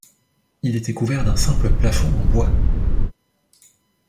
Il était couvert d’un simple plafond en bois.